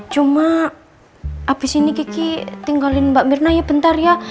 cuma abis ini kiki tinggalin mbak mirna ya bentar ya